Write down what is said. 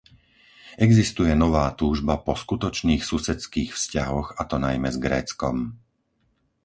Existuje nová túžba po skutočných susedských vzťahoch, a to najmä s Gréckom.